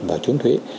và chứng thuế